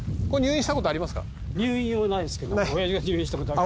入院はないですけど親父が入院した事ある。